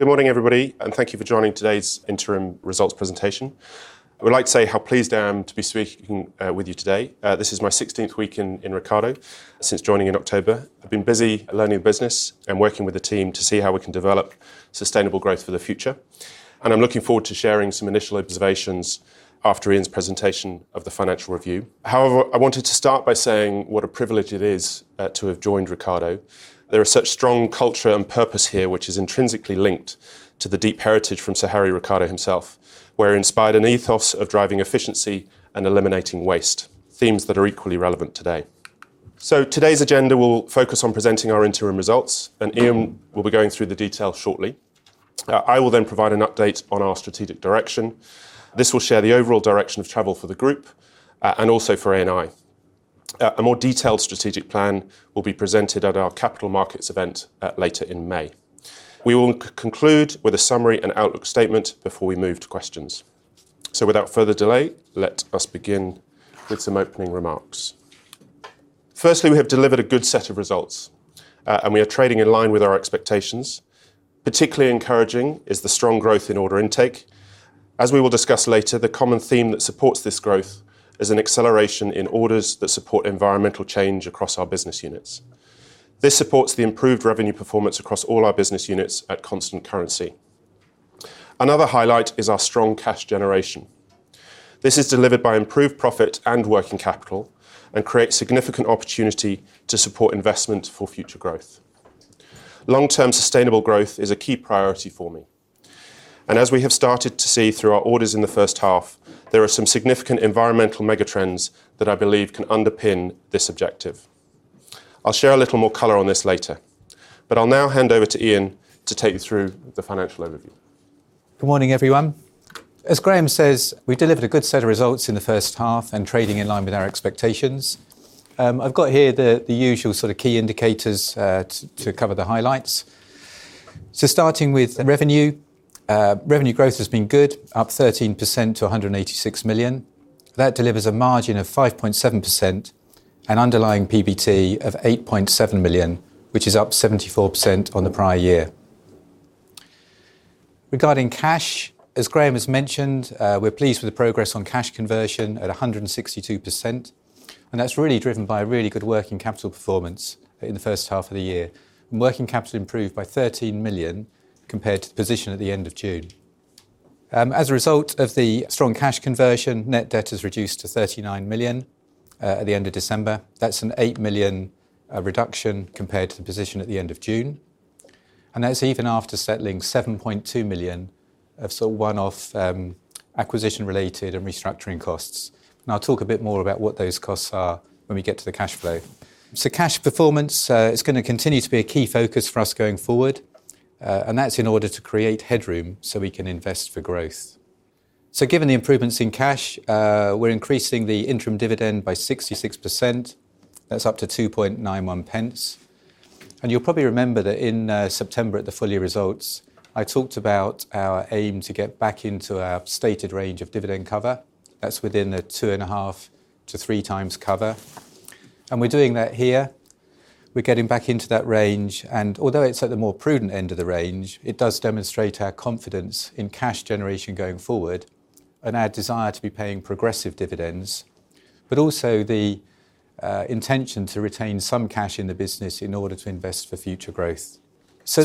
Good morning, everybody, and thank you for joining today's interim results presentation. I would like to say how pleased I am to be speaking with you today. This is my `16th week in Ricardo since joining in October. I've been busy learning the business and working with the team to see how we can develop sustainable growth for the future, and I'm looking forward to sharing some initial observations after Ian's presentation of the financial review. However, I wanted to start by saying what a privilege it is to have joined Ricardo. There is such strong culture and purpose here, which is intrinsically linked to the deep heritage from Sir Harry Ricardo himself, who inspired an ethos of driving efficiency and eliminating waste, themes that are equally relevant today. Today's agenda will focus on presenting our interim results, and Ian will be going through the detail shortly. I will then provide an update on our strategic direction. This will share the overall direction of travel for the group, and also for A&I. A more detailed strategic plan will be presented at our capital markets event, later in May. We will conclude with a summary and outlook statement before we move to questions. Without further delay, let us begin with some opening remarks. Firstly, we have delivered a good set of results, and we are trading in line with our expectations. Particularly encouraging is the strong growth in order intake. As we will discuss later, the common theme that supports this growth is an acceleration in orders that support environmental change across our business units. This supports the improved revenue performance across all our business units at constant currency. Another highlight is our strong cash generation. This is delivered by improved profit and working capital and creates significant opportunity to support investment for future growth. Long-term sustainable growth is a key priority for me, and as we have started to see through our orders in the first half, there are some significant environmental mega trends that I believe can underpin this objective. I'll share a little more color on this later, but I'll now hand over to Ian to take you through the financial overview. Good morning, everyone. As Graham says, we delivered a good set of results in the first half and trading in line with our expectations. I've got here the usual sort of key indicators to cover the highlights. Starting with revenue. Revenue growth has been good, up 13% to 186 million. That delivers a margin of 5.7% and underlying PBT of 8.7 million, which is up 74% on the prior year. Regarding cash, as Graham has mentioned, we're pleased with the progress on cash conversion at 162%, and that's really driven by a really good working capital performance in the first half of the year. Working capital improved by 13 million compared to the position at the end of June. As a result of the strong cash conversion, net debt is reduced to 39 million at the end of December. That's a 8 million reduction compared to the position at the end of June. That's even after settling 7.2 million of sort of one-off, acquisition-related and restructuring costs. I'll talk a bit more about what those costs are when we get to the cash flow. Cash performance is gonna continue to be a key focus for us going forward, and that's in order to create headroom so we can invest for growth. Given the improvements in cash, we're increasing the interim dividend by 66%. That's up to 2.91 pence. You'll probably remember that in September at the full-year results, I talked about our aim to get back into our stated range of dividend cover. That's within a 2.5-3 times cover. We're doing that here. We're getting back into that range. Although it's at the more prudent end of the range, it does demonstrate our confidence in cash generation going forward and our desire to be paying progressive dividends, but also the intention to retain some cash in the business in order to invest for future growth.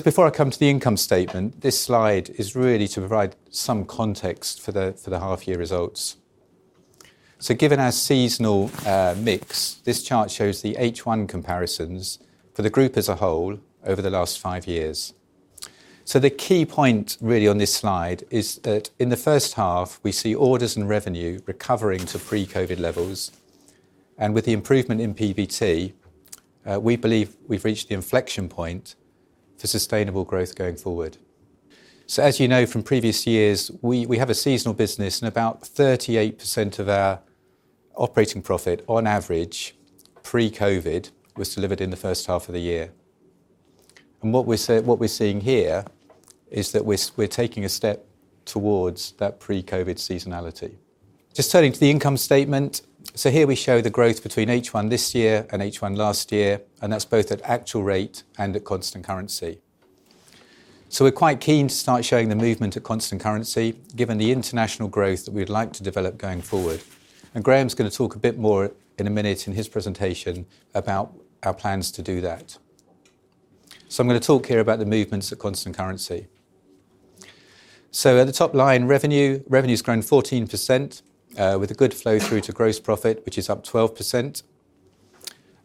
Before I come to the income statement, this slide is really to provide some context for the half year results. Given our seasonal mix, this chart shows the H1 comparisons for the group as a whole over the last five years. The key point really on this slide is that in the first half we see orders and revenue recovering to pre-COVID levels. With the improvement in PBT, we believe we've reached the inflection point to sustainable growth going forward. As you know from previous years, we have a seasonal business and about 38% of our operating profit on average pre-COVID was delivered in the first half of the year. What we're seeing here is that we're taking a step towards that pre-COVID seasonality. Just turning to the income statement. Here we show the growth between H1 this year and H1 last year, and that's both at actual rate and at constant currency. We're quite keen to start showing the movement at constant currency given the international growth that we'd like to develop going forward. Graham's gonna talk a bit more in a minute in his presentation about our plans to do that. I'm gonna talk here about the movements at constant currency. At the top line, revenue. Revenue's grown 14%, with a good flow through to gross profit, which is up 12%.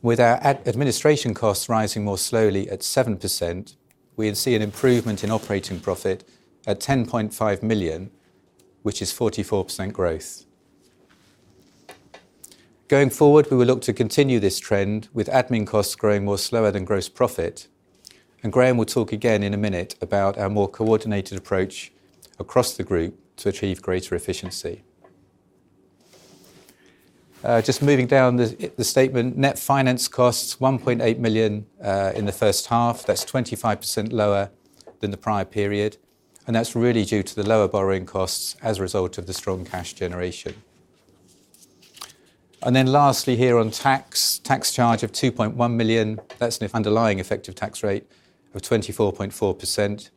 With our administration costs rising more slowly at 7%, we see an improvement in operating profit at 10.5 million, which is 44% growth. Going forward, we will look to continue this trend with admin costs growing more slower than gross profit. Graham will talk again in a minute about our more coordinated approach across the group to achieve greater efficiency. Just moving down the statement, net finance costs 1.8 million in the first half. That's 25% lower than the prior period. That's really due to the lower borrowing costs as a result of the strong cash generation. Lastly here on tax charge of 2.1 million. That's an underlying effective tax rate of 24.4%.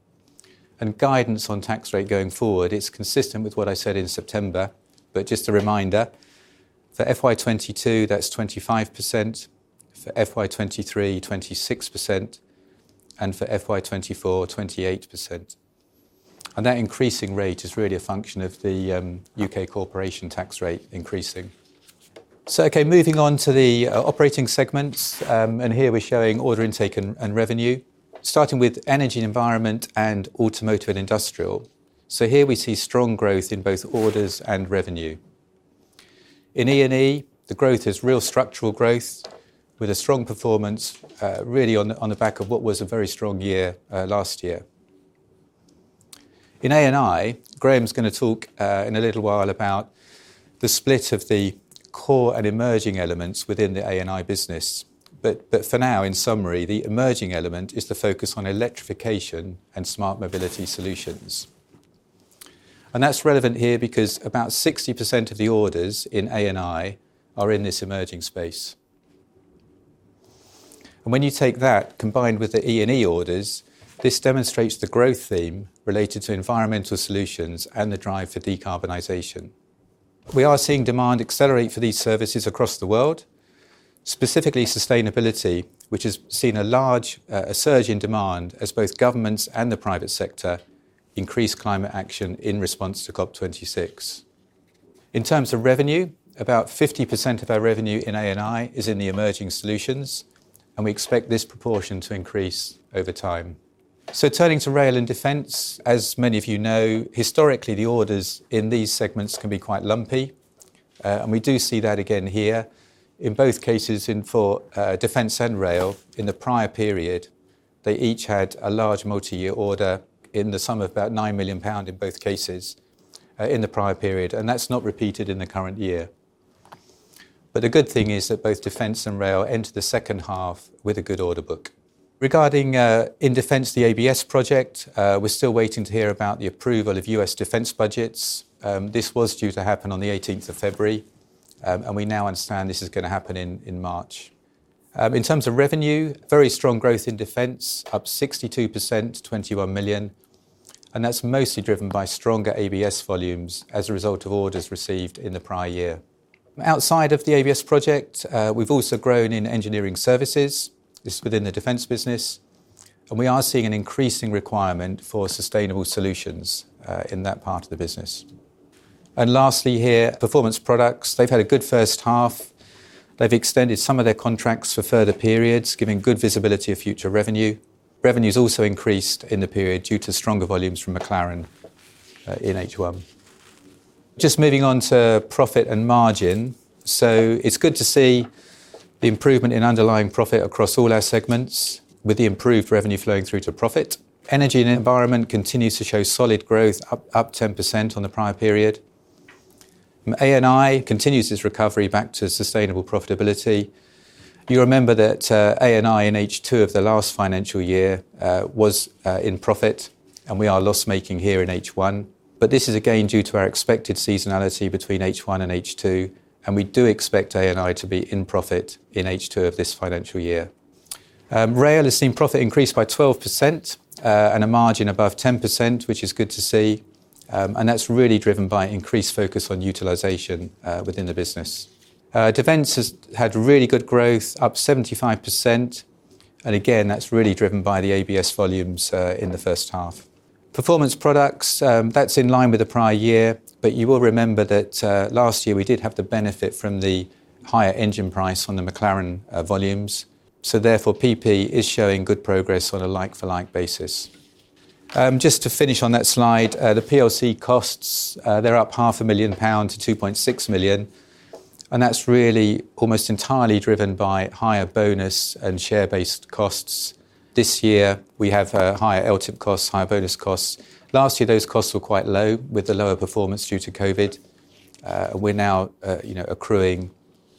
Guidance on tax rate going forward is consistent with what I said in September. Just a reminder, for FY 2022, that's 25%; for FY 2023, 26%; and for FY 2024, 28%. That increasing rate is really a function of the U.K. corporation tax rate increasing. Okay, moving on to the operating segments. Here we're showing order intake and revenue, starting with Energy and Environment and Automotive and Industrial. Here we see strong growth in both orders and revenue. In E&E, the growth is real structural growth with a strong performance, really on the back of what was a very strong year last year. In A&I, Graham's gonna talk in a little while about the split of the core and emerging elements within the A&I business. For now, in summary, the emerging element is the focus on electrification and smart mobility solutions. That's relevant here because about 60% of the orders in A&I are in this emerging space. When you take that combined with the E&E orders, this demonstrates the growth theme related to environmental solutions and the drive for decarbonization. We are seeing demand accelerate for these services across the world, specifically sustainability, which has seen a large surge in demand as both governments and the private sector increase climate action in response to COP26. In terms of revenue, about 50% of our revenue in A&I is in the emerging solutions, and we expect this proportion to increase over time. Turning to rail and defense, as many of you know, historically, the orders in these segments can be quite lumpy, and we do see that again here. In both cases, for defense and rail in the prior period, they each had a large multi-year order in the sum of about 9 million pounds in both cases, and that's not repeated in the current year. The good thing is that both defense and rail enter the second half with a good order book. Regarding the ABS project in defense, we're still waiting to hear about the approval of U.S. defense budgets. This was due to happen on the eighteenth of February, and we now understand this is gonna happen in March. In terms of revenue, very strong growth in Defense, up 62% to 21 million, and that's mostly driven by stronger ABS volumes as a result of orders received in the prior year. Outside of the ABS project, we've also grown in engineering services. This is within the Defense business, and we are seeing an increasing requirement for sustainable solutions in that part of the business. Lastly here, Performance Products. They've had a good first half. They've extended some of their contracts for further periods, giving good visibility of future revenue. Revenue's also increased in the period due to stronger volumes from McLaren in H1. Just moving on to profit and margin. It's good to see the improvement in underlying profit across all our segments with the improved revenue flowing through to profit. Energy and Environment continues to show solid growth, up 10% on the prior period. A&I continues its recovery back to sustainable profitability. You remember that A&I in H2 of the last financial year was in profit, and we are loss-making here in H1, but this is again due to our expected seasonality between H1 and H2, and we do expect A&I to be in profit in H2 of this financial year. Rail has seen profit increase by 12%, and a margin above 10%, which is good to see, and that's really driven by increased focus on utilization within the business. Defense has had really good growth, up 75%, and again, that's really driven by the ABS volumes in the first half. Performance Products, that's in line with the prior year, but you will remember that last year we did have the benefit from the higher engine price on the McLaren volumes, so therefore, PP is showing good progress on a like-for-like basis. Just to finish on that slide, the plc costs, they're up 500,000-2.6 million pound, and that's really almost entirely driven by higher bonus and share-based costs. This year we have higher LTIP costs, higher bonus costs. Last year those costs were quite low with the lower performance due to COVID. We're now, you know, accruing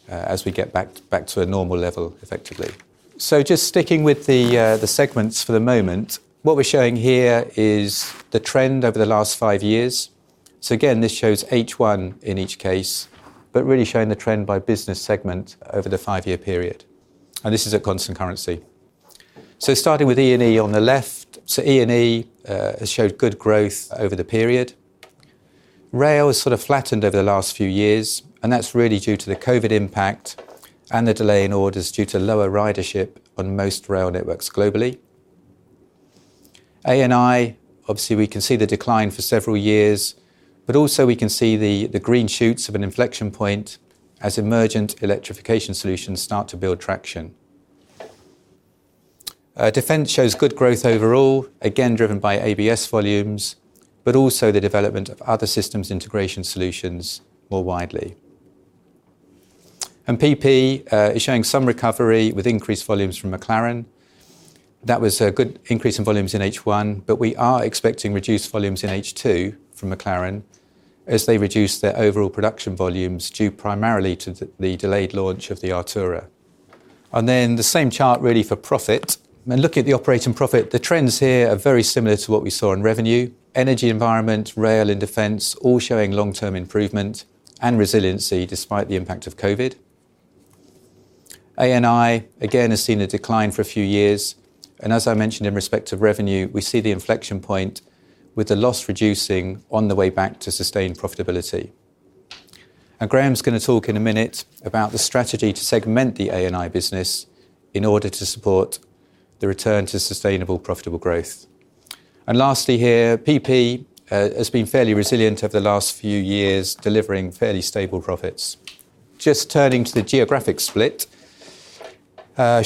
as we get back to a normal level effectively. Just sticking with the segments for the moment, what we're showing here is the trend over the last five years. Again, this shows H1 in each case, but really showing the trend by business segment over the five-year period. This is at constant currency. Starting with E&E on the left. E&E has showed good growth over the period. Rail has sort of flattened over the last few years, and that's really due to the COVID impact and the delay in orders due to lower ridership on most rail networks globally. A&I, obviously we can see the decline for several years, but also we can see the green shoots of an inflection point as emergent electrification solutions start to build traction. Defense shows good growth overall, again driven by ABS volumes, but also the development of other systems integration solutions more widely. PP is showing some recovery with increased volumes from McLaren. That was a good increase in volumes in H1, but we are expecting reduced volumes in H2 from McLaren as they reduce their overall production volumes due primarily to the delayed launch of the Artura. The same chart really for profit. When looking at the operating profit, the trends here are very similar to what we saw in revenue. Energy & Environment, rail and defense all showing long-term improvement and resiliency despite the impact of COVID. A&I, again, has seen a decline for a few years, and as I mentioned in respect of revenue, we see the inflection point with the loss reducing on the way back to sustained profitability. Graham is gonna talk in a minute about the strategy to segment the A&I business in order to support the return to sustainable, profitable growth. Lastly here, PP has been fairly resilient over the last few years, delivering fairly stable profits. Just turning to the geographic split.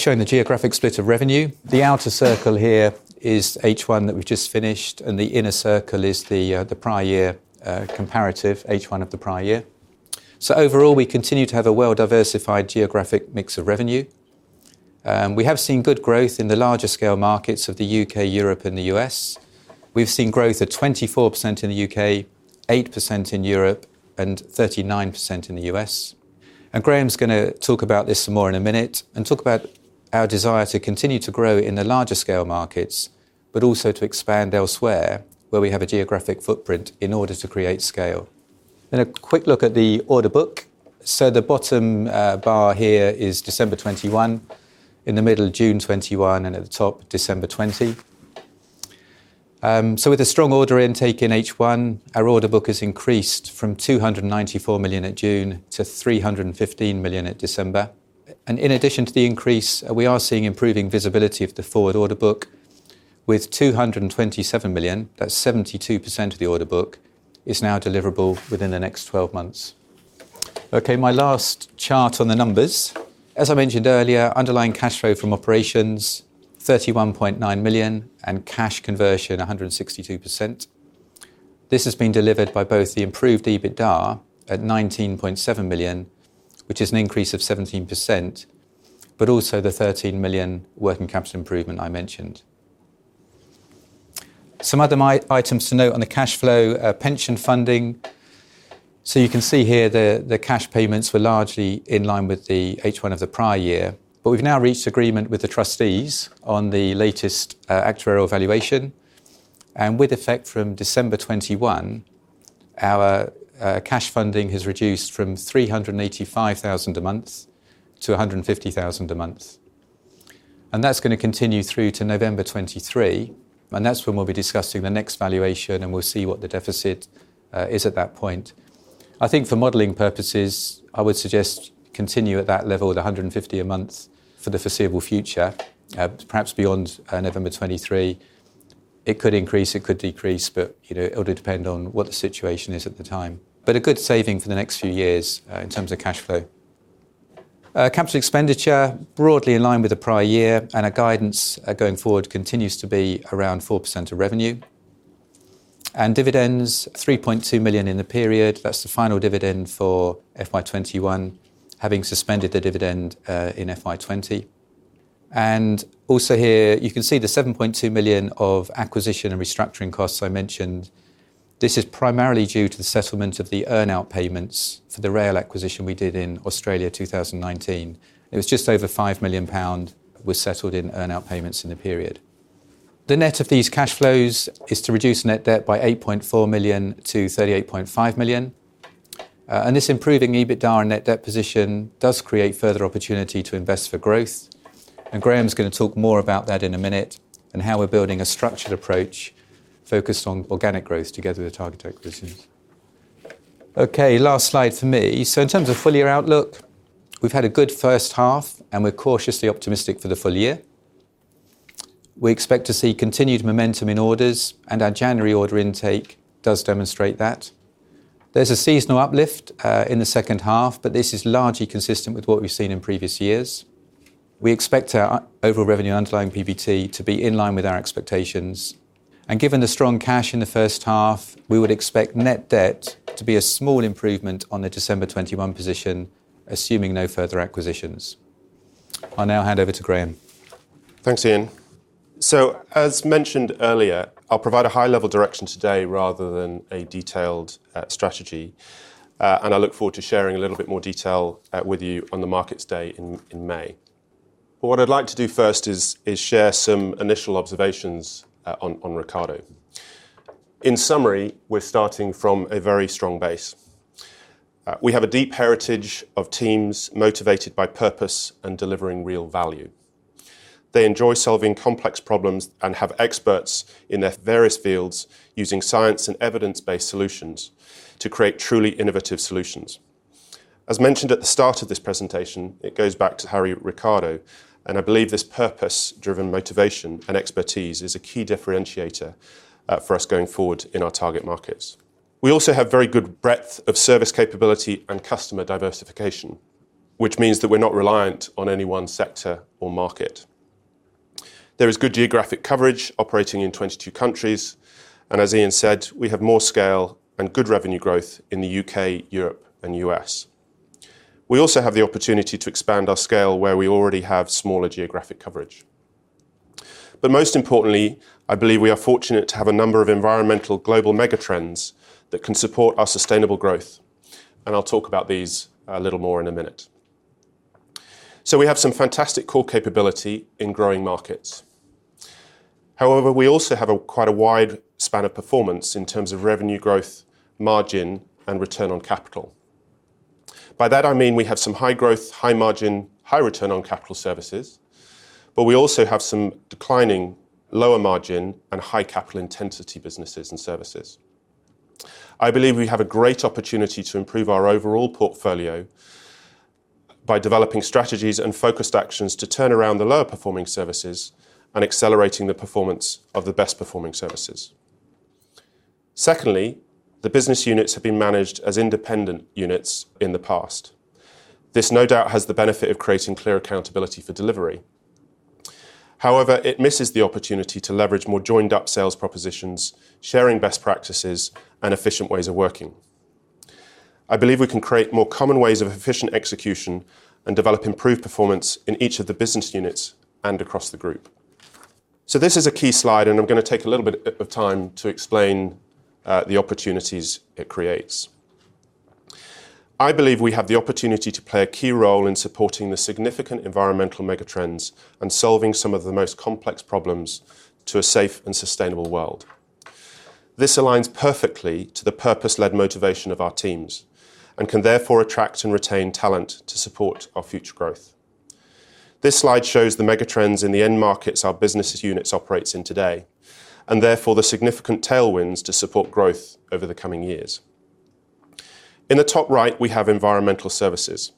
Showing the geographic split of revenue. The outer circle here is H1 that we've just finished, and the inner circle is the prior year comparative H1 of the prior year. Overall, we continue to have a well-diversified geographic mix of revenue. We have seen good growth in the larger scale markets of the U.K., Europe and the U.S. We've seen growth of 24% in the U.K., 8% in Europe and 39% in the U.S. Graham is gonna talk about this some more in a minute and talk about our desire to continue to grow in the larger scale markets, but also to expand elsewhere where we have a geographic footprint in order to create scale. A quick look at the order book. The bottom bar here is December 2021, in the middle June 2021, and at the top December 2020. With a strong order intake in H1, our order book has increased from 294 million at June to 315 million at December. In addition to the increase, we are seeing improving visibility of the forward order book with 227 million, that's 72% of the order book, is now deliverable within the next twelve months. Okay. My last chart on the numbers. As I mentioned earlier, underlying cash flow from operations 31.9 million, and cash conversion 162%. This has been delivered by both the improved EBITDA at 19.7 million, which is an increase of 17%, but also the 13 million working capital improvement I mentioned. Some other items to note on the cash flow, pension funding. You can see here the cash payments were largely in line with the H1 of the prior year. We've now reached agreement with the trustees on the latest actuarial valuation. With effect from December 2021, our cash funding has reduced from 385,000 a month to 150,000 a month. That's gonna continue through to November 2023, and that's when we'll be discussing the next valuation, and we'll see what the deficit is at that point. I think for modeling purposes, I would suggest continue at that level at 150 a month for the foreseeable future, perhaps beyond November 2023. It could increase, it could decrease, but, you know, it'll depend on what the situation is at the time. But a good saving for the next few years in terms of cash flow. Capital expenditure broadly in line with the prior year and our guidance going forward continues to be around 4% of revenue. Dividends, 3.2 million in the period. That's the final dividend for FY 2021, having suspended the dividend in FY 2020. Also here you can see the 7.2 million of acquisition and restructuring costs I mentioned. This is primarily due to the settlement of the earn-out payments for the rail acquisition we did in Australia 2019. It was just over 5 million pound was settled in earn-out payments in the period. The net of these cash flows is to reduce net debt by 8.4 million to 38.5 million. This improving EBITDA and net debt position does create further opportunity to invest for growth. Graham is gonna talk more about that in a minute and how we're building a structured approach focused on organic growth together with target acquisitions. Okay, last slide for me. In terms of full-year outlook, we've had a good first half, and we're cautiously optimistic for the full year. We expect to see continued momentum in orders, and our January order intake does demonstrate that. There's a seasonal uplift in the second half, but this is largely consistent with what we've seen in previous years. We expect our overall revenue underlying PBT to be in line with our expectations. Given the strong cash in the first half, we would expect net debt to be a small improvement on the December 2021 position, assuming no further acquisitions. I now hand over to Graham. Thanks, Ian. As mentioned earlier, I'll provide a high-level direction today rather than a detailed strategy. I look forward to sharing a little bit more detail with you on the markets day in May. What I'd like to do first is share some initial observations on Ricardo. In summary, we're starting from a very strong base. We have a deep heritage of teams motivated by purpose and delivering real value. They enjoy solving complex problems and have experts in their various fields using science and evidence-based solutions to create truly innovative solutions. As mentioned at the start of this presentation, it goes back to Harry Ricardo, and I believe this purpose-driven motivation and expertise is a key differentiator for us going forward in our target markets. We also have very good breadth of service capability and customer diversification, which means that we're not reliant on any one sector or market. There is good geographic coverage operating in 22 countries, and as Ian said, we have more scale and good revenue growth in the U.K., Europe, and U.S. We also have the opportunity to expand our scale where we already have smaller geographic coverage. Most importantly, I believe we are fortunate to have a number of environmental global megatrends that can support our sustainable growth, and I'll talk about these a little more in a minute. We have some fantastic core capability in growing markets. However, we also have quite a wide span of performance in terms of revenue growth, margin, and return on capital. By that I mean we have some high growth, high margin, high return on capital services, but we also have some declining lower margin and high capital intensity businesses and services. I believe we have a great opportunity to improve our overall portfolio by developing strategies and focused actions to turn around the lower performing services and accelerating the performance of the best performing services. Secondly, the business units have been managed as independent units in the past. This, no doubt, has the benefit of creating clear accountability for delivery. However, it misses the opportunity to leverage more joined-up sales propositions, sharing best practices, and efficient ways of working. I believe we can create more common ways of efficient execution and develop improved performance in each of the business units and across the group. This is a key slide, and I'm gonna take a little bit of time to explain the opportunities it creates. I believe we have the opportunity to play a key role in supporting the significant environmental megatrends and solving some of the most complex problems to a safe and sustainable world. This aligns perfectly to the purpose-led motivation of our teams and can therefore attract and retain talent to support our future growth. This slide shows the megatrends in the end markets our business' units operates in today, and therefore the significant tailwinds to support growth over the coming years. In the top right, we have environmental services.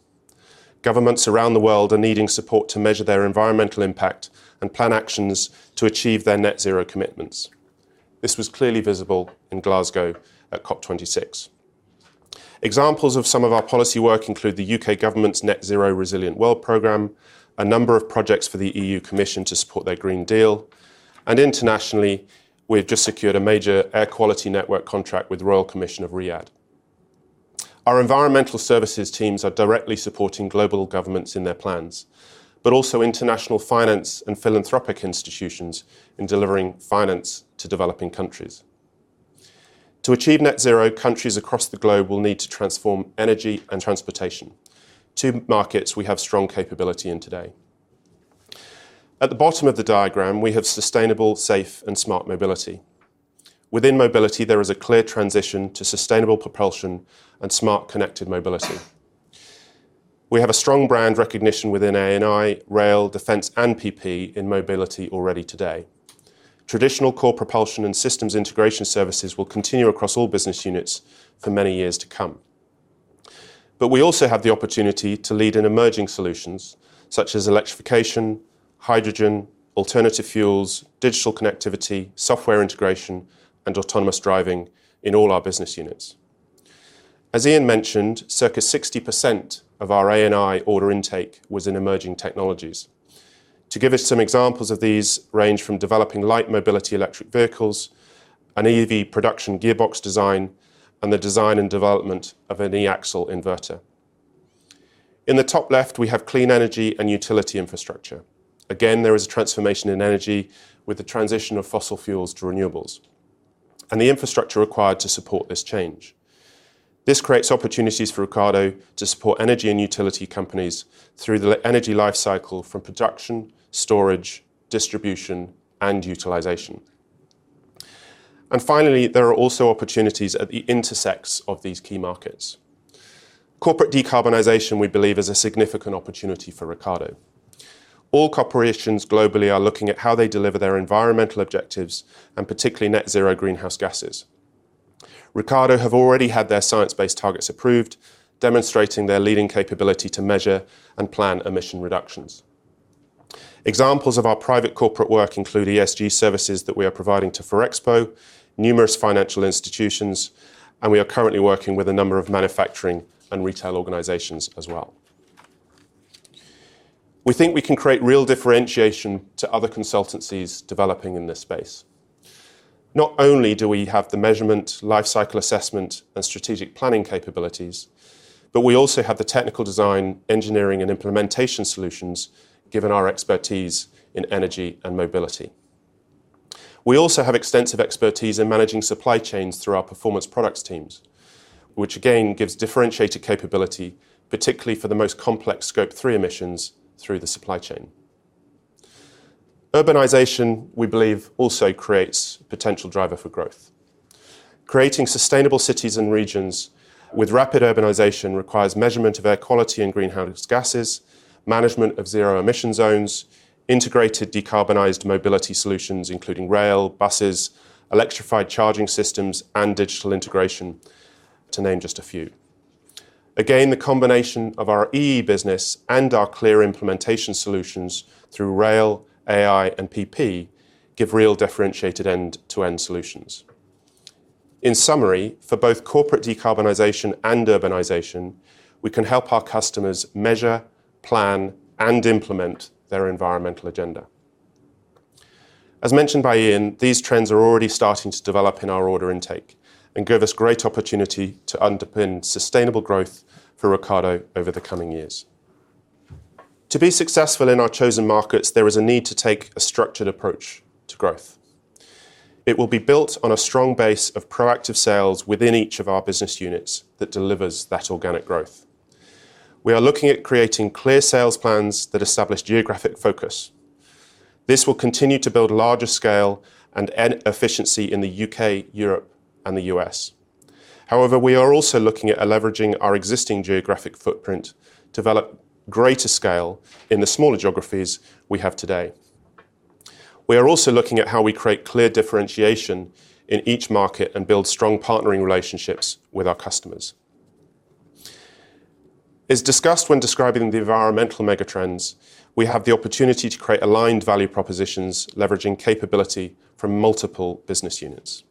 Governments around the world are needing support to measure their environmental impact and plan actions to achieve their net zero commitments. This was clearly visible in Glasgow at COP26. Examples of some of our policy work include the UK government's Net Zero Resilient World program, a number of projects for the European Commission to support their European Green Deal, and internationally, we have just secured a major air quality network contract with Royal Commission for Riyadh City. Our environmental services teams are directly supporting global governments in their plans, but also international finance and philanthropic institutions in delivering finance to developing countries. To achieve net zero, countries across the globe will need to transform energy and transportation, two markets we have strong capability in today. At the bottom of the diagram, we have sustainable, safe, and smart mobility. Within mobility, there is a clear transition to sustainable propulsion and smart connected mobility. We have a strong brand recognition within A&I, rail, defense, and PP in mobility already today. Traditional core propulsion and systems integration services will continue across all business units for many years to come. We also have the opportunity to lead in emerging solutions such as electrification, hydrogen, alternative fuels, digital connectivity, software integration, and autonomous driving in all our business units. As Ian mentioned, circa 60% of our A&I order intake was in emerging technologies. To give us some examples of these range from developing light mobility electric vehicles, an EV production gearbox design, and the design and development of an e-axle inverter. In the top left, we have clean energy and utility infrastructure. Again, there is a transformation in energy with the transition of fossil fuels to renewables and the infrastructure required to support this change. This creates opportunities for Ricardo to support energy and utility companies through the energy life cycle from production, storage, distribution, and utilization. Finally, there are also opportunities at the intersections of these key markets. Corporate decarbonization, we believe, is a significant opportunity for Ricardo. All corporations globally are looking at how they deliver their environmental objectives, and particularly net zero greenhouse gases. Ricardo have already had their science-based targets approved, demonstrating their leading capability to measure, and plan emission reductions. Examples of our private corporate work include ESG services that we are providing to Ferrexpo, numerous financial institutions, and we are currently working with a number of manufacturing and retail organizations as well. We think we can create real differentiation to other consultancies developing in this space. Not only do we have the measurement, life cycle assessment, and strategic planning capabilities, but we also have the technical design, engineering, and implementation solutions, given our expertise in energy and mobility. We also have extensive expertise in managing supply chains through our performance products teams, which again gives differentiated capability, particularly for the most complex Scope 3 emissions through the supply chain. Urbanization, we believe, also creates potential driver for growth. Creating sustainable cities and regions with rapid urbanization requires measurement of air quality and greenhouse gases, management of zero emission zones, integrated decarbonized mobility solutions, including rail, buses, electrified charging systems, and digital integration, to name just a few. Again, the combination of our EE business and our clear implementation solutions through rail, A&I, and PP give real differentiated end-to-end solutions. In summary, for both corporate decarbonization and urbanization, we can help our customers measure, plan, and implement their environmental agenda. As mentioned by Ian, these trends are already starting to develop in our order intake and give us great opportunity to underpin sustainable growth for Ricardo over the coming years. To be successful in our chosen markets, there is a need to take a structured approach to growth. It will be built on a strong base of proactive sales within each of our business units that delivers that organic growth. We are looking at creating clear sales plans that establish geographic focus. This will continue to build larger scale and efficiency in the U.K., Europe, and the U.S. However, we are also looking at leveraging our existing geographic footprint to develop greater scale in the smaller geographies we have today. We are also looking at how we create clear differentiation in each market and build strong partnering relationships with our customers. As discussed when describing the environmental megatrends, we have the opportunity to create aligned value propositions, leveraging capability from multiple business units.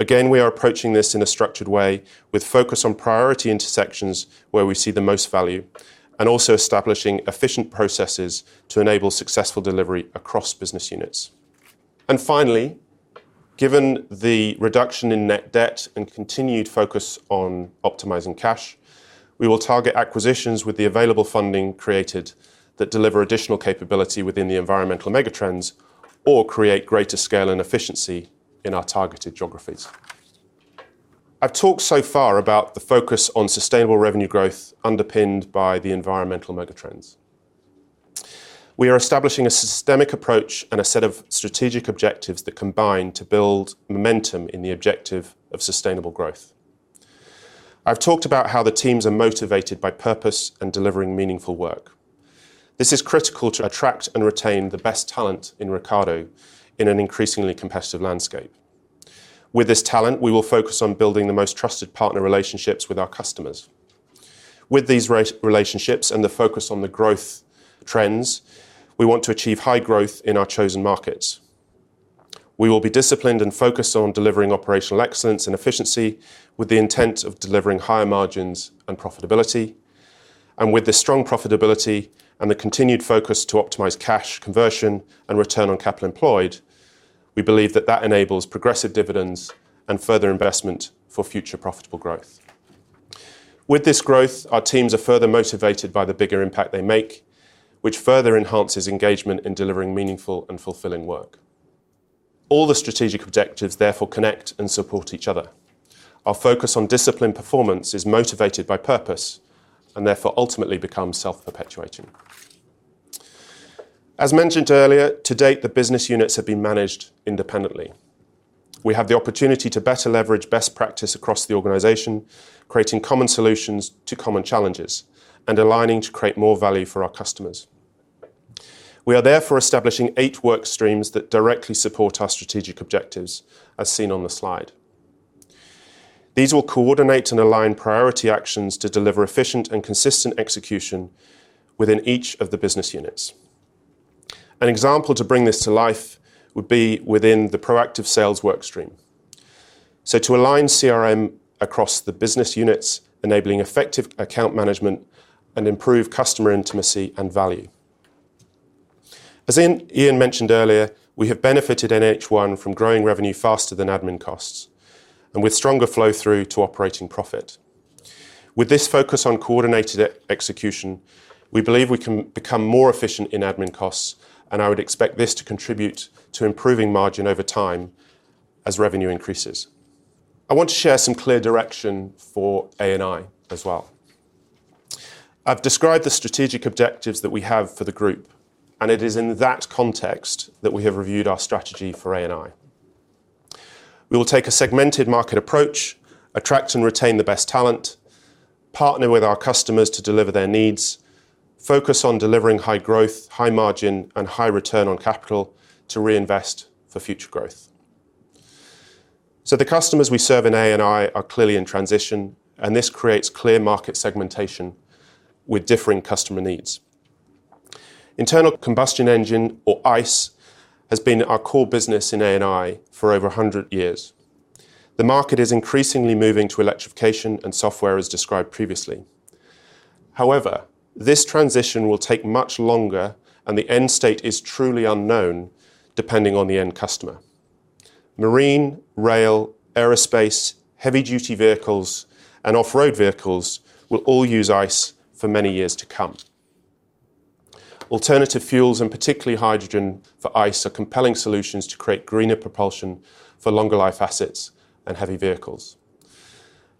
Again, we are approaching this in a structured way with focus on priority intersections where we see the most value, and also establishing efficient processes to enable successful delivery across business units. Finally, given the reduction in net debt and continued focus on optimizing cash, we will target acquisitions with the available funding created that deliver additional capability within the environmental megatrends or create greater scale and efficiency in our targeted geographies. I've talked so far about the focus on sustainable revenue growth underpinned by the environmental megatrends. We are establishing a systemic approach and a set of strategic objectives that combine to build momentum in the objective of sustainable growth. I've talked about how the teams are motivated by purpose and delivering meaningful work. This is critical to attract and retain the best talent in Ricardo in an increasingly competitive landscape. With this talent, we will focus on building the most trusted partner relationships with our customers. With these relationships and the focus on the growth trends, we want to achieve high growth in our chosen markets. We will be disciplined and focused on delivering operational excellence and efficiency with the intent of delivering higher margins and profitability. With the strong profitability and the continued focus to optimize cash conversion and return on capital employed, we believe that enables progressive dividends and further investment for future profitable growth. With this growth, our teams are further motivated by the bigger impact they make, which further enhances engagement in delivering meaningful and fulfilling work. All the strategic objectives therefore connect and support each other. Our focus on disciplined performance is motivated by purpose and therefore ultimately becomes self-perpetuating. As mentioned earlier, to date, the business units have been managed independently. We have the opportunity to better leverage best practice across the organization, creating common solutions to common challenges, and aligning to create more value for our customers. We are therefore establishing eight work streams that directly support our strategic objectives, as seen on the slide. These will coordinate and align priority actions to deliver efficient and consistent execution within each of the business units. An example to bring this to life would be within the proactive sales work stream. To align CRM across the business units, enabling effective account management and improve customer intimacy and value. As Ian mentioned earlier, we have benefited in H1 from growing revenue faster than admin costs and with stronger flow through to operating profit. With this focus on coordinated e-execution, we believe we can become more efficient in admin costs, and I would expect this to contribute to improving margin over time as revenue increases. I want to share some clear direction for A&I as well. I've described the strategic objectives that we have for the group, and it is in that context that we have reviewed our strategy for A&I. We will take a segmented market approach, attract and retain the best talent, partner with our customers to deliver their needs, focus on delivering high growth, high margin, and high return on capital to reinvest for future growth. The customers we serve in A&I are clearly in transition, and this creates clear market segmentation with differing customer needs. Internal combustion engine or ICE has been our core business in A&I for over a hundred years. The market is increasingly moving to electrification and software as described previously. However, this transition will take much longer and the end state is truly unknown depending on the end customer. Marine, rail, aerospace, heavy duty vehicles, and off-road vehicles will all use ICE for many years to come. Alternative fuels, and particularly hydrogen for ICE, are compelling solutions to create greener propulsion for longer life assets and heavy vehicles.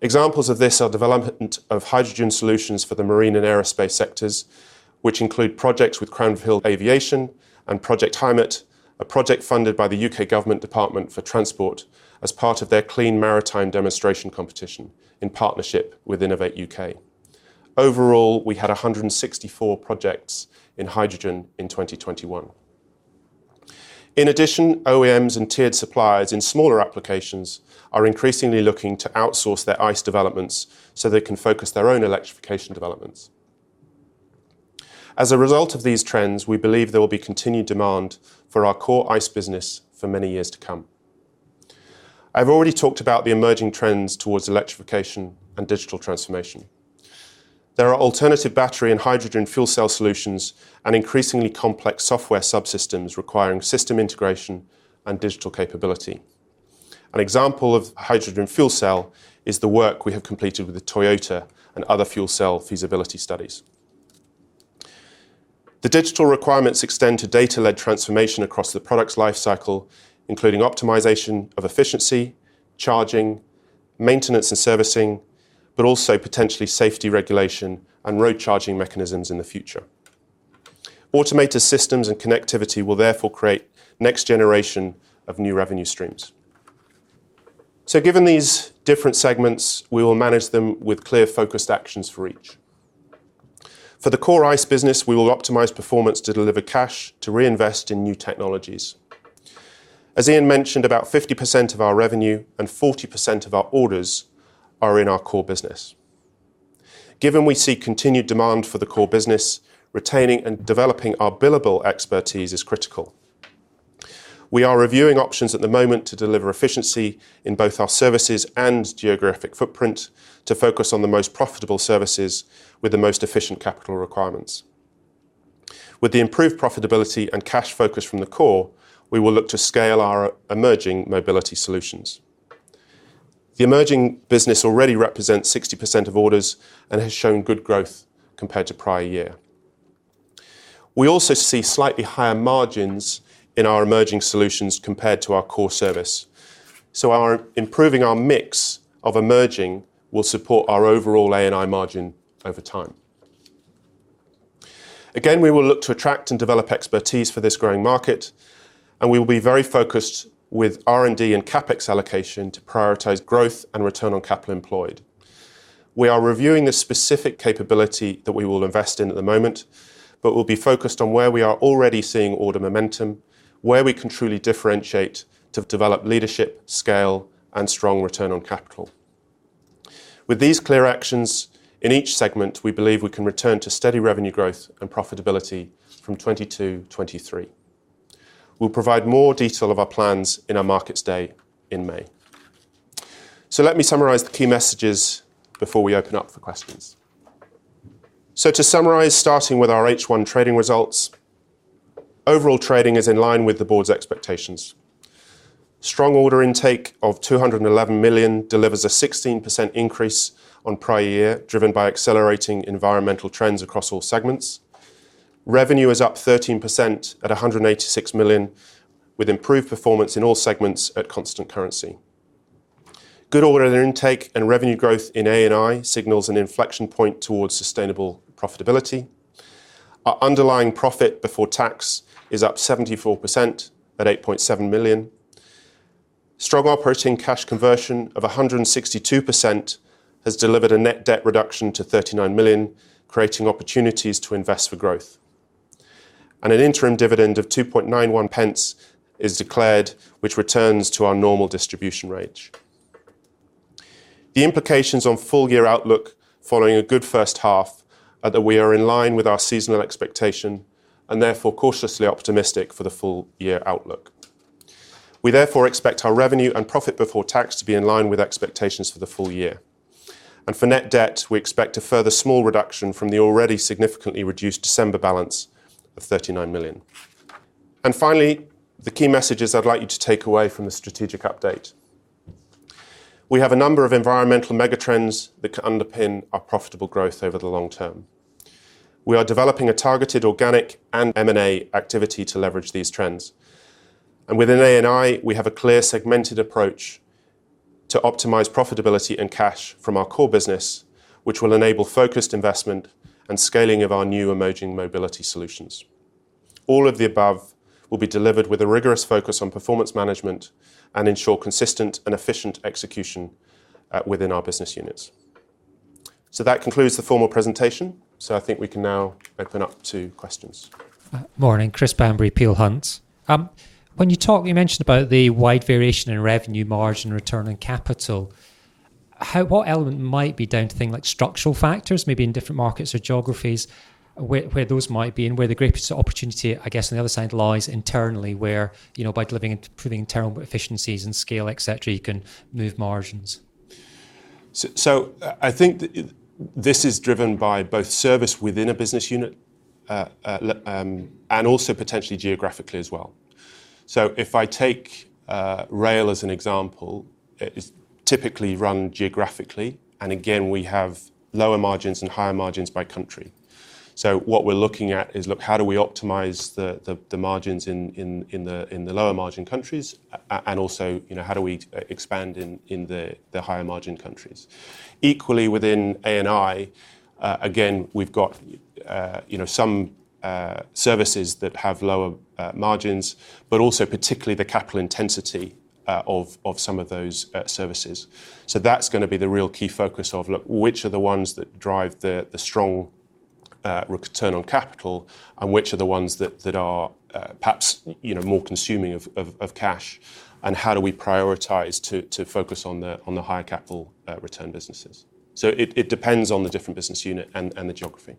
Examples of this are development of hydrogen solutions for the marine and aerospace sectors, which include projects with Cranfield Aerospace Solutions and Project HIMET, a project funded by the Department for Transport as part of their Clean Maritime Demonstration Competition in partnership with Innovate UK. Overall, we had 164 projects in hydrogen in 2021. In addition, OEMs and tiered suppliers in smaller applications are increasingly looking to outsource their ICE developments so they can focus their own electrification developments. As a result of these trends, we believe there will be continued demand for our core ICE business for many years to come. I've already talked about the emerging trends towards electrification and digital transformation. There are alternative battery and hydrogen fuel cell solutions and increasingly complex software subsystems requiring system integration and digital capability. An example of hydrogen fuel cell is the work we have completed with Toyota and other fuel cell feasibility studies. The digital requirements extend to data-led transformation across the product's life cycle, including optimization of efficiency, charging, maintenance and servicing, but also potentially safety regulation and road charging mechanisms in the future. Automated systems and connectivity will therefore create next generation of new revenue streams. Given these different segments, we will manage them with clear focused actions for each. For the core ICE business, we will optimize performance to deliver cash to reinvest in new technologies. As Ian mentioned, about 50% of our revenue and 40% of our orders are in our core business. Given we see continued demand for the core business, retaining and developing our billable expertise is critical. We are reviewing options at the moment to deliver efficiency in both our services and geographic footprint to focus on the most profitable services with the most efficient capital requirements. With the improved profitability and cash focus from the core, we will look to scale our emerging mobility solutions. The emerging business already represents 60% of orders and has shown good growth compared to prior-year. We also see slightly higher margins in our emerging solutions compared to our core service. Our improving mix of emerging will support our overall A&I margin over time. Again, we will look to attract and develop expertise for this growing market, and we will be very focused with R&D and CapEx allocation to prioritize growth and return on capital employed. We are reviewing the specific capability that we will invest in at the moment, but we'll be focused on where we are already seeing order momentum, where we can truly differentiate to develop leadership, scale and strong return on capital. With these clear actions in each segment, we believe we can return to steady revenue growth and profitability from 2022-2023. We'll provide more detail of our plans in our markets day in May. Let me summarize the key messages before we open up for questions. To summarize, starting with our H1 trading results, overall trading is in line with the board's expectations. Strong order intake of 211 million delivers a 16% increase on prior year, driven by accelerating environmental trends across all segments. Revenue is up 13% at 186 million, with improved performance in all segments at constant currency. Good order intake and revenue growth in A&I signals an inflection point towards sustainable profitability. Our underlying profit before tax is up 74% at 8.7 million. Strong operating cash conversion of 162% has delivered a net debt reduction to 39 million, creating opportunities to invest for growth. An interim dividend of 2.91 pence is declared, which returns to our normal distribution range. The implications on full-year outlook following a good first half are that we are in line with our seasonal expectation and therefore cautiously optimistic for the full-year outlook. We therefore expect our revenue and profit before tax to be in line with expectations for the full year. For net debt, we expect a further small reduction from the already significantly reduced December balance of 39 million. Finally, the key messages I'd like you to take away from the strategic update. We have a number of environmental mega trends that could underpin our profitable growth over the long term. We are developing a targeted organic and M&A activity to leverage these trends. Within A&I, we have a clear segmented approach to optimize profitability and cash from our core business, which will enable focused investment and scaling of our new emerging mobility solutions. All of the above will be delivered with a rigorous focus on performance management and ensure consistent and efficient execution, within our business units. That concludes the formal presentation. I think we can now open up to questions. Morning, Chris Bamberry, Peel Hunt. When you mentioned about the wide variation in revenue margin return on capital, what element might be down to things like structural factors, maybe in different markets or geographies, where those might be and where the greatest opportunity, I guess, on the other side lies internally, where, you know, by delivering, improving internal efficiencies and scale, et cetera, you can move margins? I think this is driven by both service within a business unit and also potentially geographically as well. If I take rail as an example, it is typically run geographically, and again, we have lower margins and higher margins by country. What we're looking at is, look, how do we optimize the margins in the lower margin countries and also, you know, how do we expand in the higher margin countries? Equally, within A&I, again, we've got, you know, some services that have lower margins, but also particularly the capital intensity of some of those services. That's gonna be the real key focus of, look, which are the ones that drive the strong return on capital and which are the ones that are perhaps, you know, more consuming of cash, and how do we prioritize to focus on the higher capital return businesses. It depends on the different business unit and the geography.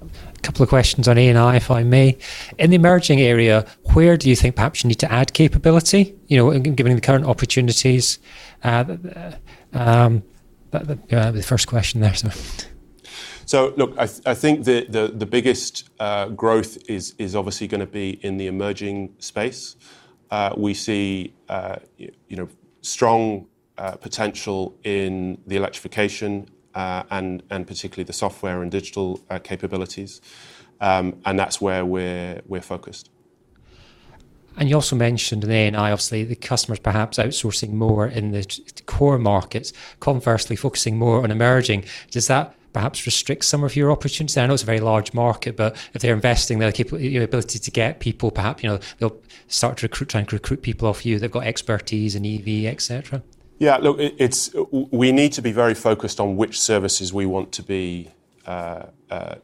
A couple of questions on A&I, if I may. In the emerging area, where do you think perhaps you need to add capability, you know, given the current opportunities? The first question there, so. Look, I think the biggest growth is obviously gonna be in the emerging space. We see you know strong potential in the electrification and particularly the software and digital capabilities. That's where we're focused. You also mentioned A&I obviously, the customers perhaps outsourcing more in the core markets, conversely focusing more on emerging. Does that perhaps restrict some of your opportunities? I know it's a very large market, but if they're investing, your ability to get people, perhaps, you know, they'll start to recruit, try and recruit people off you, they've got expertise in EV, et cetera. Yeah. Look, we need to be very focused on which services we want to be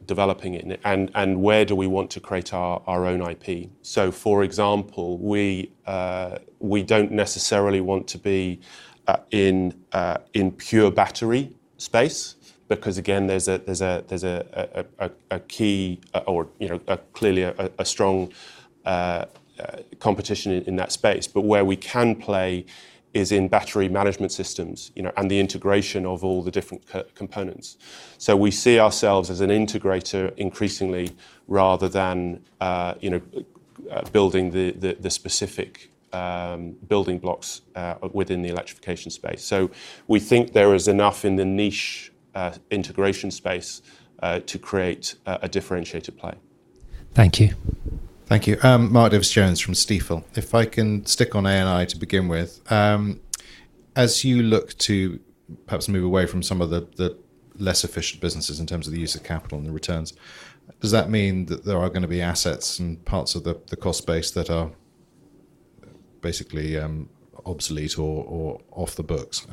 developing in and where do we want to create our own IP. For example, we don't necessarily want to be in pure battery space because again, there's clearly a strong competition in that space. Where we can play is in battery management systems, you know, and the integration of all the different components. We see ourselves as an integrator increasingly rather than you know building the specific building blocks within the electrification space. We think there is enough in the niche integration space to create a differentiated play. Thank you. Thank you. Mark Davies Jones from Stifel. If I can stick on A&I to begin with. As you look to perhaps move away from some of the less efficient businesses in terms of the use of capital and the returns, does that mean that there are gonna be assets and parts of the cost base that are basically obsolete or off the books?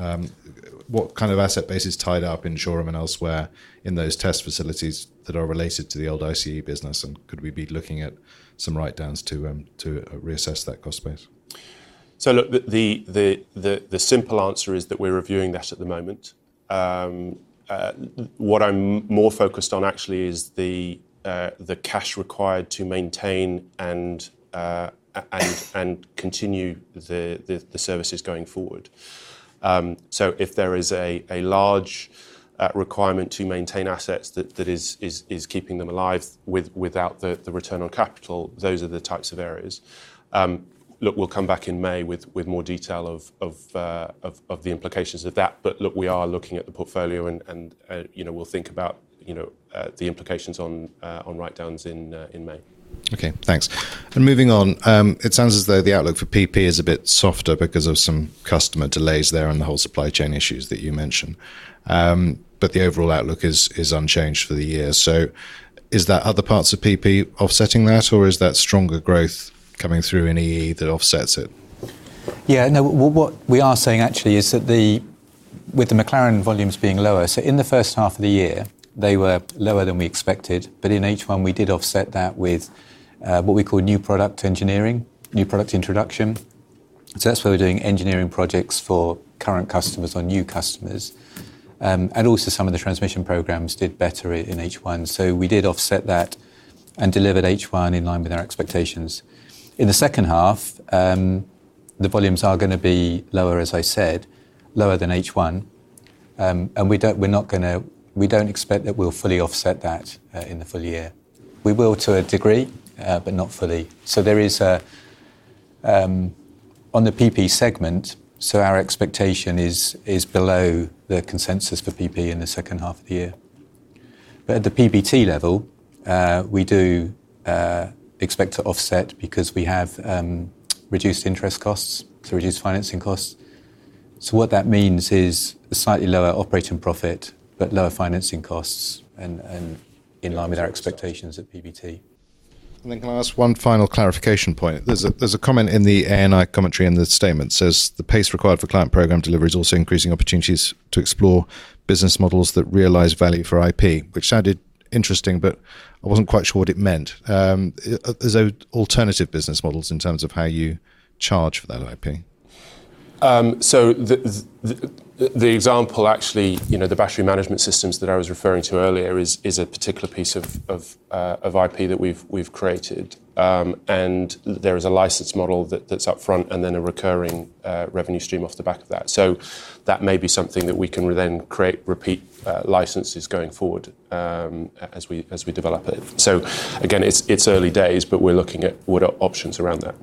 What kind of asset base is tied up in Shoreham and elsewhere in those test facilities that are related to the old ICE business? Could we be looking at some write-downs to reassess that cost base? Look, the simple answer is that we're reviewing that at the moment. What I'm more focused on actually is the cash required to maintain and continue the services going forward. If there is a large requirement to maintain assets that is keeping them alive without the return on capital, those are the types of areas. Look, we'll come back in May with more detail of the implications of that. Look, we are looking at the portfolio and, you know, we'll think about, you know, the implications on write downs in May. Okay, thanks. Moving on, it sounds as though the outlook for PP is a bit softer because of some customer delays there and the whole supply chain issues that you mentioned. The overall outlook is unchanged for the year. Is that other parts of PP offsetting that, or is that stronger growth coming through in EE that offsets it? Yeah. No, what we are saying actually is that with the McLaren volumes being lower, so in the first half of the year, they were lower than we expected. In H1 we did offset that with what we call new product engineering, new product introduction. So that's where we're doing engineering projects for current customers or new customers. And also some of the transmission programs did better in H1. So we did offset that and delivered H1 in line with our expectations. In the second half, the volumes are gonna be lower, as I said, lower than H1. And we're not gonna. We don't expect that we'll fully offset that in the full year. We will to a degree, but not fully. There is on the PP segment, so our expectation is below the consensus for PP in the second half of the year. At the PBT level, we do expect to offset because we have reduced interest costs, so reduced financing costs. What that means is a slightly lower operating profit but lower financing costs and in line with our expectations at PBT. Can I ask one final clarification point? There's a comment in the A&I commentary in the statement says, "The pace required for client program delivery is also increasing opportunities to explore business models that realize value for IP," which sounded interesting, but I wasn't quite sure what it meant. Is there alternative business models in terms of how you charge for that IP? So, the example actually, you know, the battery management systems that I was referring to earlier is a particular piece of IP that we've created. There is a license model that's up front and then a recurring revenue stream off the back of that. That may be something that we can then create repeat licenses going forward, as we develop it. Again, it's early days, but we're looking at what our options around that.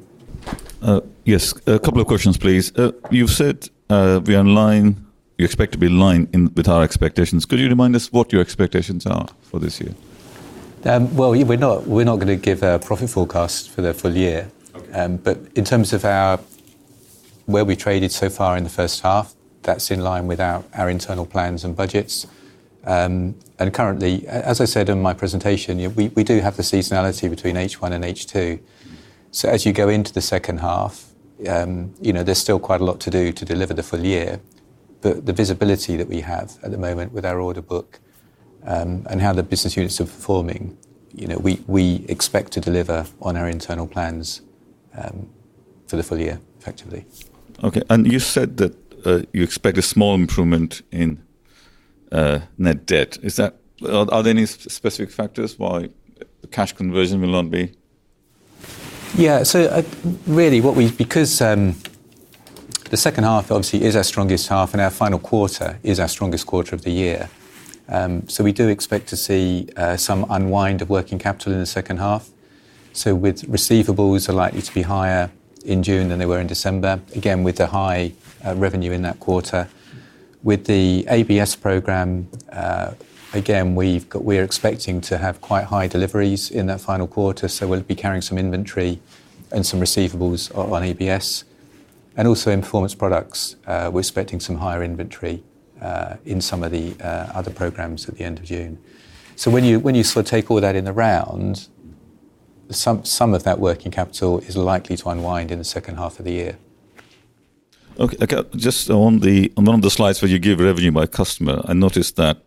Yes. A couple of questions, please. You've said you expect to be in line with our expectations. Could you remind us what your expectations are for this year? Well, we're not gonna give a profit forecast for the full year. In terms of where we traded so far in the first half, that's in line with our internal plans and budgets. Currently, as I said in my presentation, you know, we do have the seasonality between H1 and H2. As you go into the second half, you know, there's still quite a lot to do to deliver the full year. The visibility that we have at the moment with our order book, and how the business units are performing, you know, we expect to deliver on our internal plans, for the full year effectively. Okay. You said that you expect a small improvement in net debt. Are there any specific factors why cash conversion will not be? Really, because the second half obviously is our strongest half and our final quarter is our strongest quarter of the year, we do expect to see some unwind of working capital in the second half. With receivables are likely to be higher in June than they were in December, again, with the high revenue in that quarter. With the ABS program, again, we're expecting to have quite high deliveries in that final quarter, so we'll be carrying some inventory and some receivables on ABS. Also in Performance Products, we're expecting some higher inventory in some of the other programs at the end of June. When you sort of take all that in the round, some of that working capital is likely to unwind in the second half of the year. Okay. Just on one of the slides where you give revenue by customer, I noticed that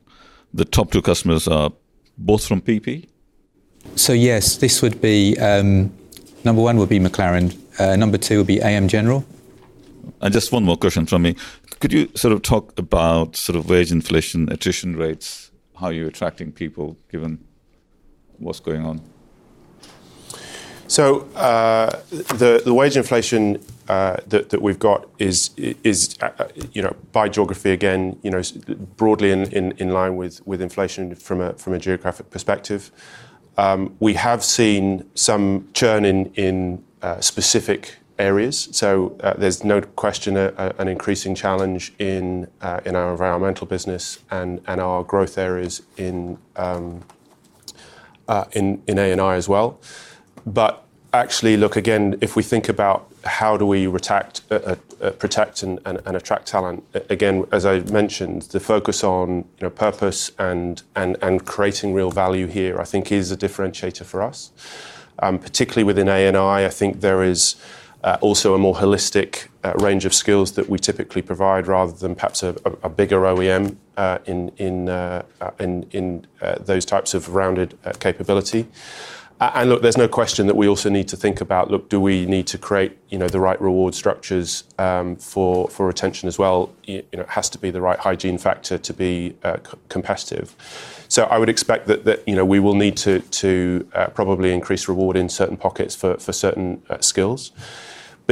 the top two customers are both from PP? Yes, this would be number one would be McLaren, number two would be AM General. Just one more question from me. Could you sort of talk about sort of wage inflation, attrition rates, how you're attracting people given what's going on? The wage inflation that we've got is, you know, by geography again, you know, broadly in line with inflation from a geographic perspective. We have seen some churn in specific areas. There's no question an increasing challenge in our environmental business and our growth areas in A&I as well. Actually, look, again, if we think about how do we protect and attract talent, again, as I mentioned, the focus on, you know, purpose and creating real value here, I think is a differentiator for us. Particularly within A&I think there is also a more holistic range of skills that we typically provide rather than perhaps a bigger OEM in those types of rounded capability. Look, there's no question that we also need to think about, look, do we need to create you know the right reward structures for retention as well. It you know has to be the right hygiene factor to be competitive. I would expect that you know we will need to probably increase reward in certain pockets for certain skills.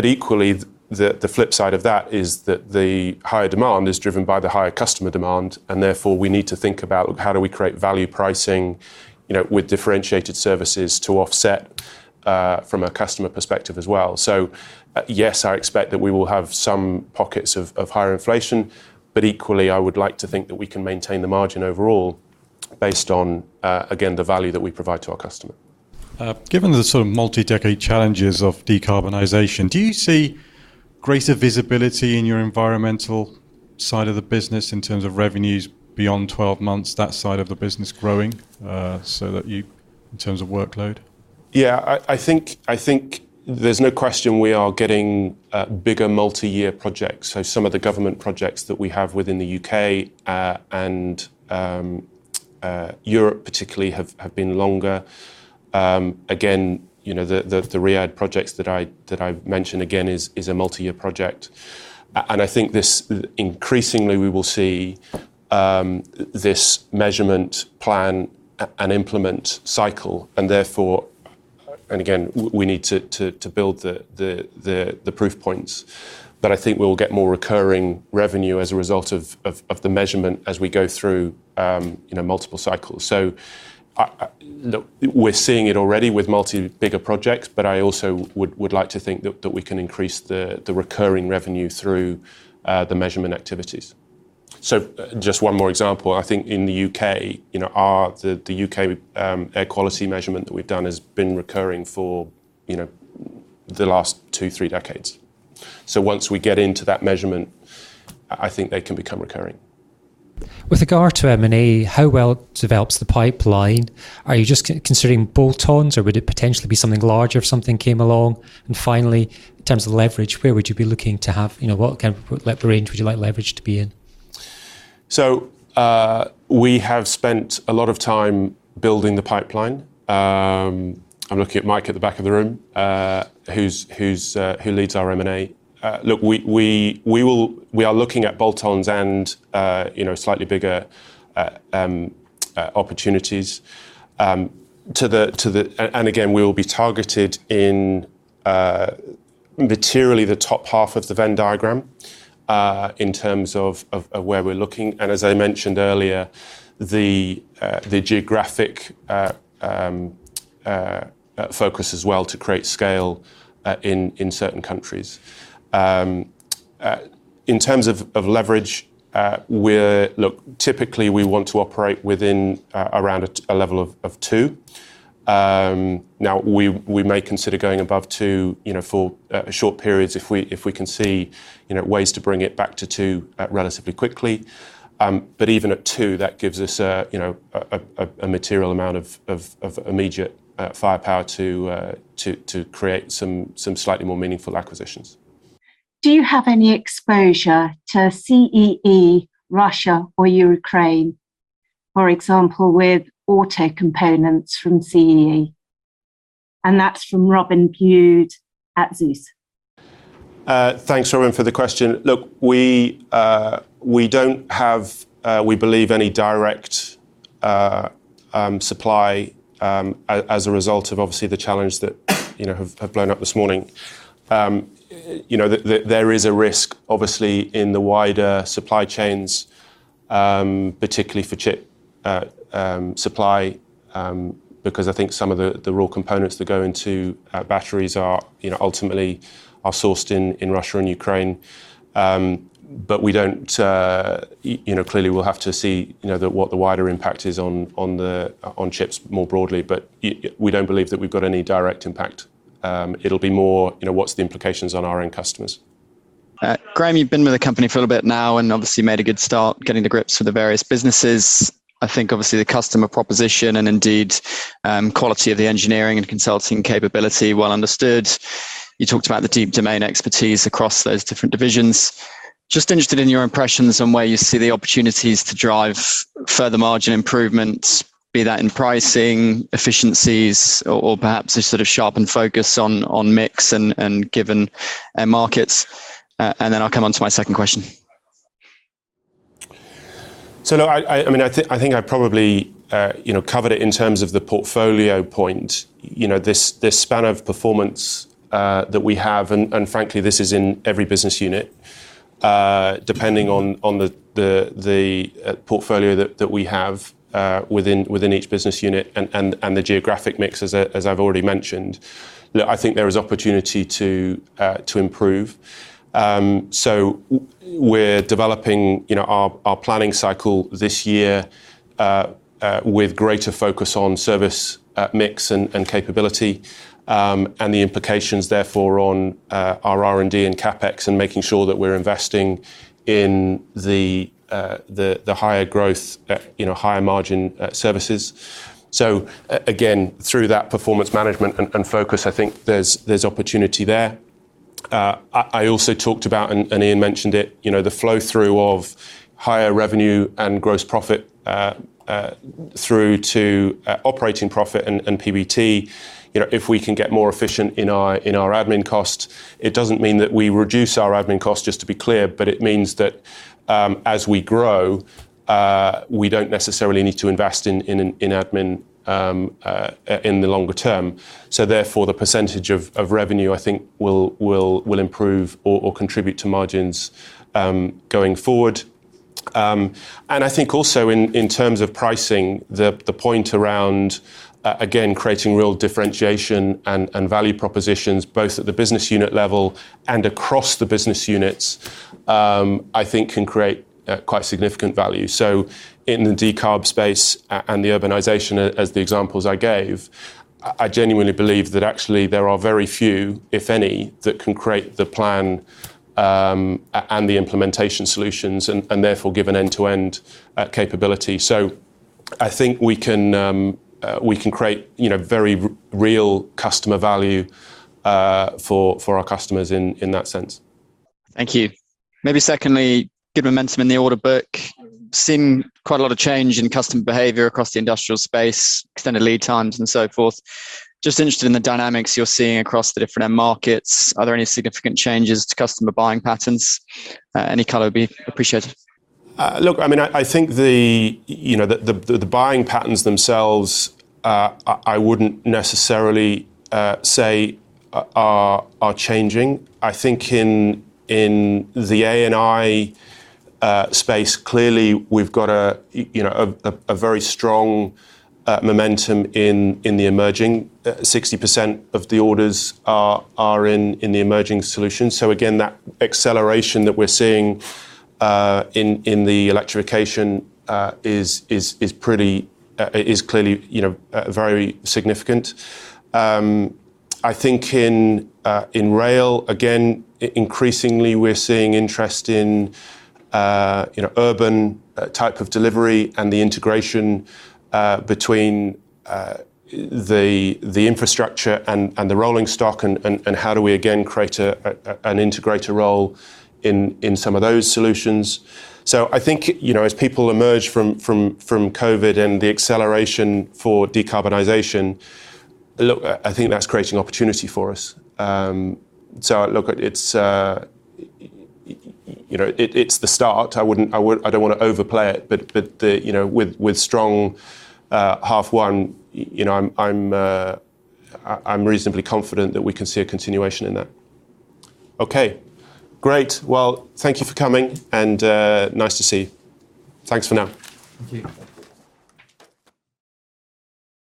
Equally, the flip side of that is that the higher demand is driven by the higher customer demand, and therefore, we need to think about how do we create value pricing, you know, with differentiated services to offset, from a customer perspective as well. Yes, I expect that we will have some pockets of higher inflation, but equally, I would like to think that we can maintain the margin overall based on, again, the value that we provide to our customer. Given the sort of multi-decade challenges of decarbonization, do you see greater visibility in your environmental side of the business in terms of revenues beyond 12 months, that side of the business growing, so that in terms of workload? Yeah. I think there's no question we are getting bigger multi-year projects. Some of the government projects that we have within the U.K. and Europe particularly have been longer. Again, you know, the Riyadh projects that I've mentioned again is a multi-year project. I think increasingly we will see this measurement plan and implement cycle, and therefore we need to build the proof points. I think we'll get more recurring revenue as a result of the measurement as we go through you know multiple cycles. Look, we're seeing it already with much bigger projects. I also would like to think that we can increase the recurring revenue through the measurement activities. Just one more example. I think in the U.K., you know, our U.K. air quality measurement that we've done has been recurring for, you know, the last two-three decades. Once we get into that measurement, I think they can become recurring. With regard to M&A, how well is the pipeline developing? Are you just considering bolt-ons, or would it potentially be something larger if something came along? Finally, in terms of leverage, what kind of range would you like leverage to be in? We have spent a lot of time building the pipeline. I'm looking at Mike at the back of the room, who leads our M&A. We are looking at bolt-ons and, you know, slightly bigger opportunities. We will be targeted in materially the top half of the Venn diagram, in terms of where we're looking, and as I mentioned earlier, the geographic focus as well to create scale in certain countries. In terms of leverage, typically, we want to operate within around a level of two. Now we may consider going above two, you know, for short periods if we can see, you know, ways to bring it back to two relatively quickly. But even at two, that gives us a, you know, a material amount of immediate firepower to create some slightly more meaningful acquisitions. Do you have any exposure to CEE, Russia, or Ukraine, for example, with auto components from CEE? That's from Robin Byde at Zeus. Thanks, Robin, for the question. Look, we don't have, we believe, any direct supply as a result of obviously the challenge that you know have blown up this morning. You know, there is a risk, obviously, in the wider supply chains, particularly for chip supply, because I think some of the raw components that go into batteries are, you know, ultimately sourced in Russia and Ukraine. But we don't. You know, clearly we'll have to see, you know, what the wider impact is on the chips more broadly, but it we don't believe that we've got any direct impact. It'll be more, you know, what's the implications on our own customers. Graham, you've been with the company for a little bit now and obviously made a good start getting to grips with the various businesses. I think obviously the customer proposition and indeed, quality of the engineering and consulting capability well understood. You talked about the deep domain expertise across those different divisions. Just interested in your impressions on where you see the opportunities to drive further margin improvements, be that in pricing, efficiencies or perhaps a sort of sharpened focus on mix and given end markets. Then I'll come on to my second question. No, I mean, I think I probably, you know, covered it in terms of the portfolio point. You know, this span of performance that we have, and frankly this is in every business unit, depending on the portfolio that we have within each business unit and the geographic mix as I've already mentioned. Look, I think there is opportunity to improve. We're developing, you know, our planning cycle this year with greater focus on service mix and capability, and the implications therefore on our R&D and CapEx and making sure that we're investing in the higher growth, you know, higher margin services. Again, through that performance management and focus, I think there's opportunity there. I also talked about, and Ian mentioned it, you know, the flow through of higher revenue and gross profit through to operating profit and PBT. You know, if we can get more efficient in our admin costs, it doesn't mean that we reduce our admin costs, just to be clear, but it means that, as we grow, we don't necessarily need to invest in admin in the longer term. Therefore, the percentage of revenue I think will improve or contribute to margins going forward. I think also in terms of pricing, the point around again creating real differentiation and value propositions, both at the business unit level and across the business units, I think can create quite significant value. In the decarb space and the urbanization as the examples I gave, I genuinely believe that actually there are very few, if any, that can create the plan and the implementation solutions and therefore give an end-to-end capability. I think we can create, you know, very real customer value for our customers in that sense. Thank you. Maybe secondly, good momentum in the order book. Seen quite a lot of change in customer behavior across the industrial space, extended lead times and so forth. Just interested in the dynamics you're seeing across the different end markets. Are there any significant changes to customer buying patterns? Any color would be appreciated. Look, I mean, I think the buying patterns themselves, you know, I wouldn't necessarily say are changing. I think in the A&I space, clearly we've got a you know, a very strong momentum in the emerging. 60% of the orders are in the emerging solutions. So again, that acceleration that we're seeing in the electrification is clearly, you know, very significant. I think in rail, again, increasingly we're seeing interest in you know, urban type of delivery and the integration between the infrastructure and the rolling stock and how do we again create an integrator role in some of those solutions. I think, you know, as people emerge from COVID and the acceleration for decarbonization, look, I think that's creating opportunity for us. Look, it's, you know, the start. I don't wanna overplay it, but the, you know, with strong half one, you know, I'm reasonably confident that we can see a continuation in that. Okay, great. Well, thank you for coming and nice to see you. Thanks for now. Thank you.